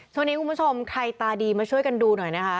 คุณผู้ชมใครตาดีมาช่วยกันดูหน่อยนะคะ